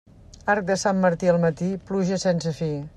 Arc de Sant Martí al matí, pluja sense fi.